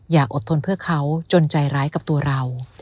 อย่าอดทนเพื่อเขาจนใจร้ายกับตัวเรา